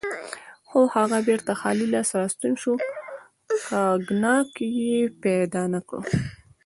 خو هغه بیرته خالي لاس راستون شو، کاګناک یې پیدا نه کړ.